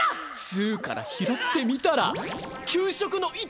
つぅから拾ってみたら給食の糸